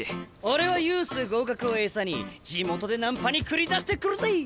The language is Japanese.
俺はユース合格を餌に地元でナンパに繰り出してくるぜ！